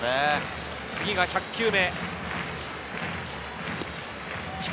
次が１００球目。